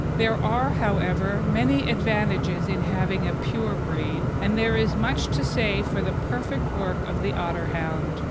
There are, however, many advantages in having a pure breed, and there is much to say for the perfect work of the Otterhound.